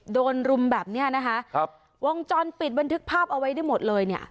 รุมแบบเนี้ยนะคะครับวงจรปิดบันทึกภาพเอาไว้ได้หมดเลยเนี่ย